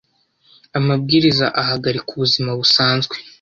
Amabwiriza ahagarika ubuzima busanzwe